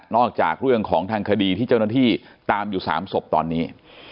จากเรื่องของทางคดีที่เจ้าหน้าที่ตามอยู่๓ศพตอนนี้